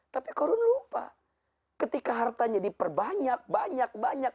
tapi korun lupa ketika hartanya diperbanyak banyak banyak